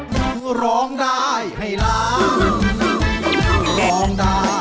เพื่อร้องได้ให้ล้าง